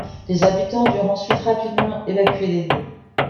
Les habitants durent ensuite rapidement évacuer les lieux.